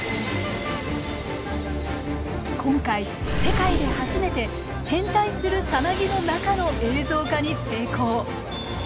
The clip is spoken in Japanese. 今回世界で初めて変態するさなぎの中の映像化に成功。